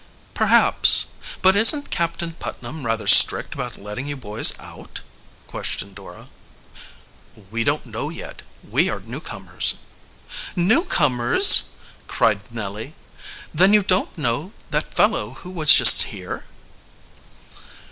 "Perhaps; but isn't Captain Putnam rather strict about letting you boys out?" questioned, Dora. "We don't know yet we are newcomers." "Newcomers!" cried Nellie. "Then you don't know that fellow who was just here?"